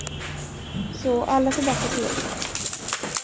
Så alla tillbaka till jobbet.